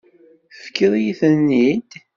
Tefkiḍ-iyi-ten-id.